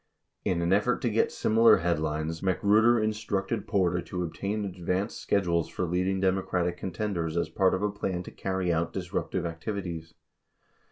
35 In an effort to get similar headlines, Magruder instructed Porter to obtain advance schedules for leading Democratic contenders as part of a plan to carry out disruptive activities.